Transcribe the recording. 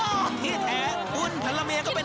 ไม่เอาห้ามกินต่อไปนี้ห้ามกินนายเข้าใจไหม